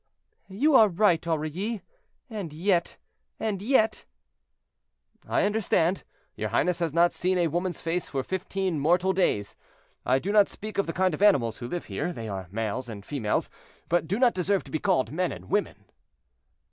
"—"You are right, Aurilly, and yet—and yet—" "I understand. Your highness has not seen a woman's face for fifteen mortal days. I do not speak of the kind of animals who live here; they are males and females, but do not deserve to be called men and women."